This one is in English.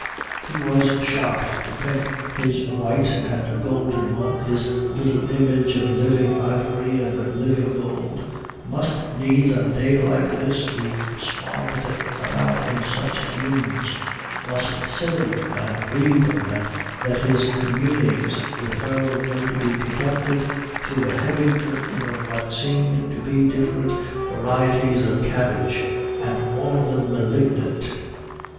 He was shocked to think his white and golden one, his little image of living ivory and living gold, must needs on a day like this be swathed about in such fumes, must sit in them and breathe them, and that his communings with her were going to be conducted through a heavy curtain of what seemed to be different varieties of cabbage and all of them malignant.